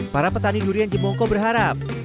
para petani durian jemongko berharap